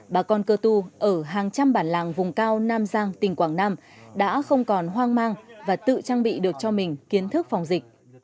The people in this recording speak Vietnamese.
bà con cơ tu ở hàng trăm bản làng vùng cao nam giang tỉnh quảng nam đã không còn hoang mang và tự trang bị được cho mình kiến thức phòng dịch